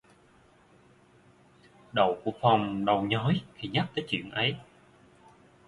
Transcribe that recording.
Đầu của phong đau nhói khi nhắc tới chuyện ấy